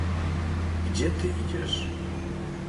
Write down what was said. "gdzie ty idziesz?..."